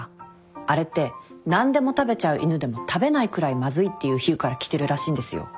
あれって何でも食べちゃう犬でも食べないくらいまずいっていう比喩からきてるらしいんですよ。